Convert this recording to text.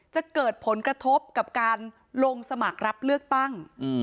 จะเกิดผลกระทบกับการลงสมัครรับเลือกตั้ง